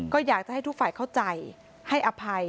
ก็อยากจะให้ทุกฝ่ายเข้าใจให้อภัย